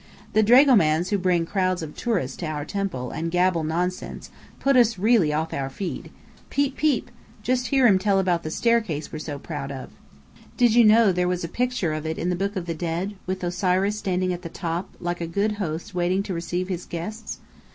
The dragomans who bring crowds of tourists to our temple and gabble nonsense, put us really off our feed. Peep, peep! Just hear him tell about the staircase we're so proud of. Did you know there was a picture of it in the Book of The Dead, with Osiris standing at the top, like a good host waiting to receive his guests?